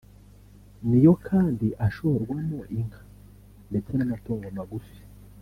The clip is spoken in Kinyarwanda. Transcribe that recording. niyo kandi ashorwamo inka ndetse n’amatungo magufi